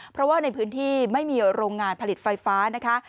เพราะว่าในพื้นที่ไม่มีโรงงานผลิตไฟฟ้านะคะ